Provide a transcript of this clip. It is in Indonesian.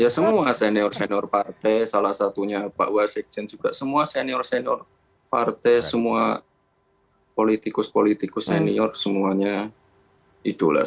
ya semua senior senior partai salah satunya pak wasikjen juga semua senior senior partai semua politikus politikus senior semuanya idola